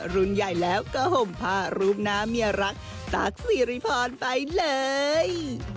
รุ่นใหญ่แล้วก็ห่มผ้ารูปหน้าเมียรักตั๊กสิริพรไปเลย